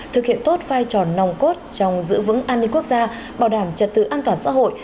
thực hiện tốt vai trò nòng cốt trong giữ vững an ninh quốc gia bảo đảm trật tự an toàn xã hội